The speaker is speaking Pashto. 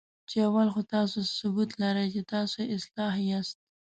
چې اول خو تاسو څه ثبوت لرئ، چې تاسو اصلاح یاست؟